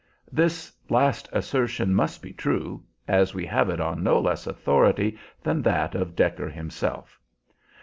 This last assertion must be true, as we have it on no less authority than that of Decker himself.